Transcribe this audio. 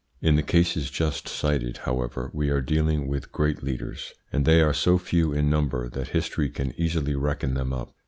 In the cases just cited, however, we are dealing with great leaders, and they are so few in number that history can easily reckon them up.